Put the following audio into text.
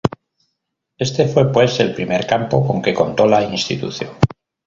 Este fue, pues, el primer campo con que contó la institución.